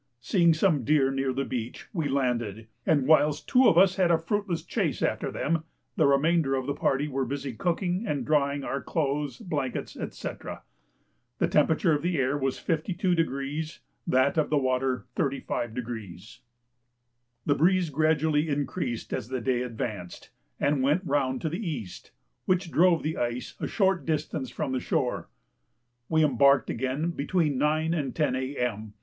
Seeing some deer near the beach, we landed, and whilst two of us had a fruitless chase after them the remainder of the party were busy cooking and drying our clothes, blankets, &c. The temperature of the air was 52°, that of the water 35°. The breeze gradually increased as the day advanced, and went round to the east, which drove the ice a short distance from the shore. We embarked again between 9 and 10 A.M.